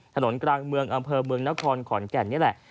ถนนกลางเมืองอำเภอเมืองนครขอนแก่นนี่แหละ